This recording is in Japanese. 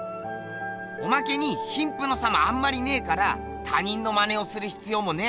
おまけに貧富の差もあんまりねえから他人のまねをする必要もねえ。